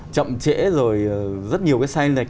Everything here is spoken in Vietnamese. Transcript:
chậm trễ rồi rất nhiều cái sai lệch